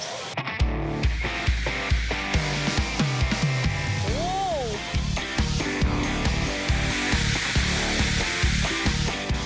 โอ้โห